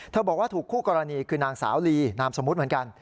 บอกว่าถูกคู่กรณีคือนางสาวลีนามสมมุติเหมือนกัน